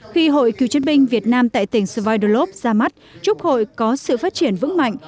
khi hội cựu chiến binh việt nam tại tỉnh svillovs ra mắt chúc hội có sự phát triển vững mạnh